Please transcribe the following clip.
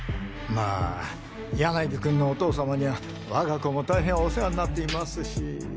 まあ柳くんのお父様には我が校も大変お世話になっていますし。